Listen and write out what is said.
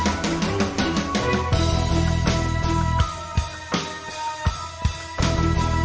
ก็ไม่น่าจะดังกึ่งนะ